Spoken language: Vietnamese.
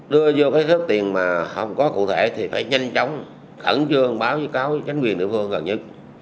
đưa vô cái thức tiền mà không có cụ thể thì phải nhanh chóng khẩn trương báo cho cáo cho chính quyền địa phương gần nhất